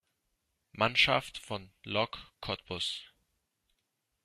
Mannschaft von Lok Cottbus.